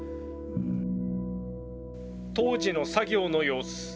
当時の作業の様子。